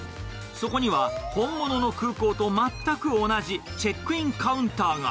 そこには、本物の空港と全く同じチェックインカウンターが。